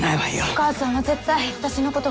お母さんは絶対私のことが好き。